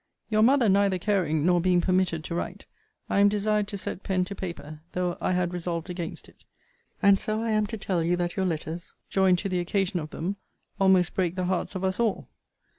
Your mother neither caring, nor being permitted, to write, I am desired to set pen to paper, though I had resolved against it. And so I am to tell you, that your letters, joined to the occasion of them, almost break the hearts of us all.